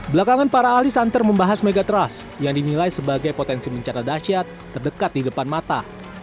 belakangan para ahli santer membahas megatrust yang dinilai sebagai potensi bencana dahsyat terdekat di depan mata